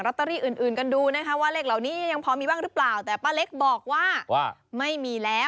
เลขอื่นก็มี